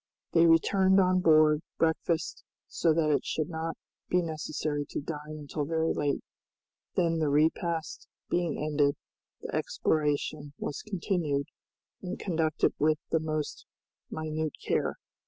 They returned on board, breakfasted, so that it should not be necessary to dine until very late; then the repast being ended, the exploration was continued and conducted with the most minute care.